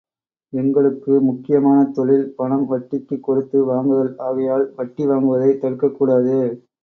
எங்களுக்கு முக்கியமான தொழில், பணம் வட்டிக்குக் கொடுத்து வாங்குதல் ஆகையால், வட்டி வாங்குவதைத் தடுக்கக் கூடாது.